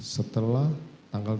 setelah tanggal tiga belas